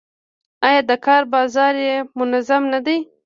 آیا د کار بازار یې منظم نه دی؟